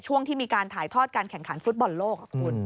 ช่วงที่มีการถ่ายทอดการแข่งขันฟุตบอลโลกคุณ